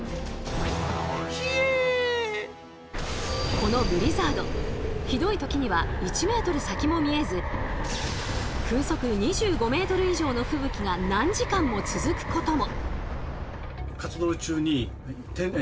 このブリザードひどい時には１ｍ先も見えず風速２５ｍ以上の吹雪が何時間も続くことも。